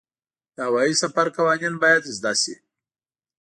د هوايي سفر قوانین باید زده شي.